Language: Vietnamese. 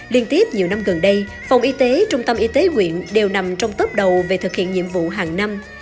liên tiếp nhiều năm gần đây phòng y tế trung tâm y tế quyện đều nằm trong tớp đầu về thực hiện nhiệm vụ hàng năm